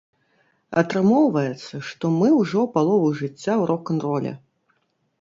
Атрымоўваецца, што мы ўжо палову жыцця ў рок-н-роле!